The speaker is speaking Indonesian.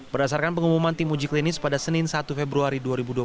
berdasarkan pengumuman tim uji klinis pada senin satu februari dua ribu dua puluh satu